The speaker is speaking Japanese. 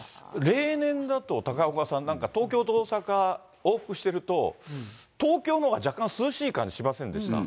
例年だと、高岡さん、なんか東京と大阪往復してると、東京のほうが若干涼しいような感じしませんでした？